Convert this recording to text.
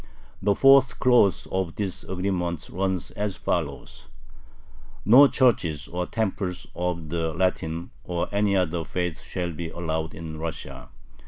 The fourth clause of this agreement runs as follows: No churches or temples of the Latin or any other faith shall be allowed in Russia.